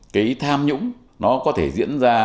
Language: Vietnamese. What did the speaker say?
cái tham nhũng nó có thể diễn ra